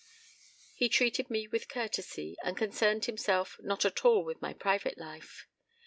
He treated me with courtesy, and concerned himself not at all with my private life.